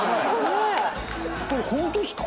これホントっすか？